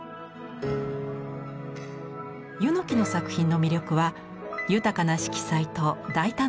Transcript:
柚木の作品の魅力は豊かな色彩と大胆な発想。